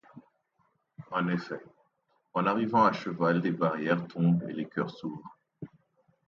En effet en arrivant à cheval les barrières tombent et les cœurs s’ouvrent.